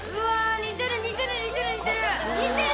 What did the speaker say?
似てる。